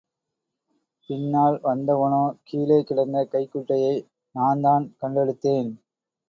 பின்னால் வந்தவனோ கீழே கிடந்த கைக் குட்டையை நான்தான் கண்டெடுத்தேன்.